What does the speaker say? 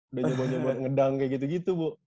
udah nyoba nyobain ngedang kayak gitu gitu bu